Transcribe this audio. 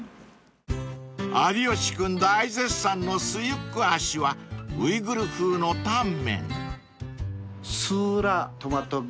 ［有吉君大絶賛のスユックアシはウイグル風のタンメン］